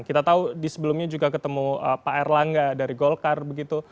kita tahu di sebelumnya juga ketemu pak erlangga dari golkar begitu